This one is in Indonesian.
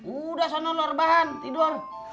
udah sana luar bahan tidur